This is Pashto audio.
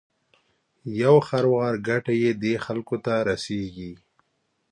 یو خروار ګټه یې دې خلکو ته رسېږي.